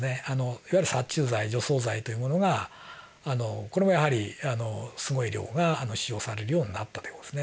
いわゆる殺虫剤除草剤というものがこれもやはりすごい量が使用されるようになったという事ですね。